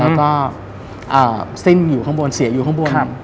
แล้วก็อ่าเส้นอยู่ข้างบนเสียอยู่ข้างบนครับ